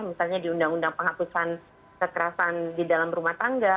misalnya di undang undang penghapusan kekerasan di dalam rumah tangga